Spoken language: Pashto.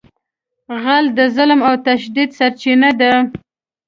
غل د ظلم او تشدد سرچینه ده